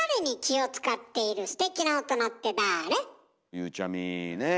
ゆうちゃみねえ？